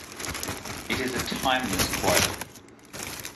It is a timeless quote.